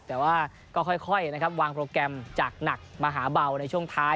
แต่ว่าก็ค่อยนะครับวางโปรแกรมจากหนักมหาเบาในช่วงท้าย